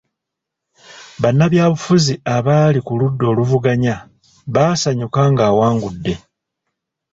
Bannabyabufuzi abali ku ludda oluvuganya baasanyuka ng'awangudde.